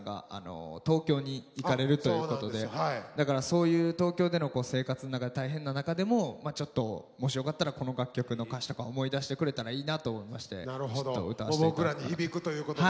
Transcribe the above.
そういう東京での生活の中で大変な中でもちょっともしよかったらこの楽曲の歌詞とか思い出してくれたらいいなと思いましてちょっと歌わせて頂こうかと。